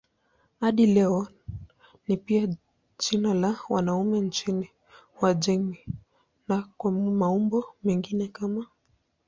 Hadi leo ni pia jina la wanaume nchini Uajemi na kwa maumbo mengine kama